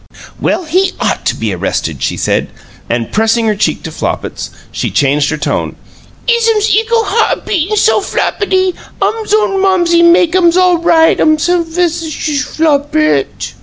"Well, he OUGHT to be arrested!" she said, and, pressing her cheek to Flopit's, she changed her tone. "Izzum's ickle heart a beatin' so floppity! Um's own mumsy make ums all right, um's p'eshus Flopit!"